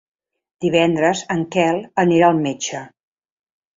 Divendres en Quel anirà al metge.